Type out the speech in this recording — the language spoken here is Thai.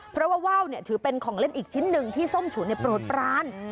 เพราะว่าว่าวถือเป็นของเล่นอีกชิ้นหนึ่งที่ส้มฉุนโปรดปราน